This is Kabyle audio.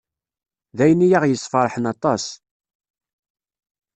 D ayen i aɣ-yesferḥen aṭas.